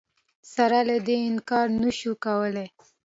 سره له دې انکار نه شو کولای